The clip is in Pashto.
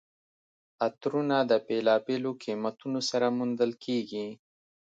عطرونه د بېلابېلو قیمتونو سره موندل کیږي.